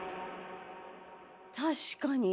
確かに。